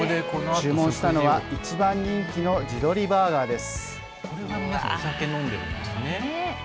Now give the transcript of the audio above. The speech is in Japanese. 注文したのは一番人気の地鶏バーガーです。